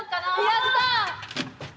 やった！